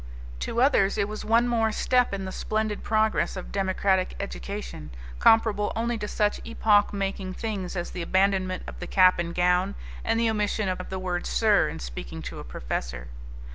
To others it was one more step in the splendid progress of democratic education, comparable only to such epoch making things as the abandonment of the cap and gown, and the omission of the word "sir" in speaking to a professor.